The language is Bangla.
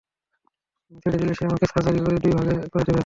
আমি ছেড়ে দিলে সে তোমাকে সার্জারি করে দুই ভাগ করে দেবে।